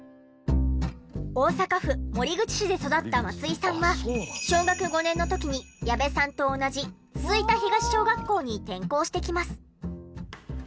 大阪府守口市で育った松井さんは小学５年の時に矢部さんと同じ吹田東小学校に転校してきます。